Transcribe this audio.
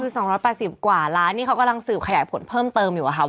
คือ๒๘๐กว่าล้านนี่เขากำลังสืบขยายผลเพิ่มเติมอยู่อะค่ะ